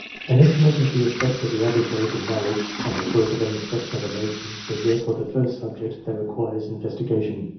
An estimate of the effect of the average age of marriage on the growth of any section of a nation, is therefore the first subject that requires investigation.